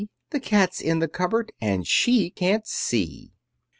The cat's in the cupboard, And she can't see.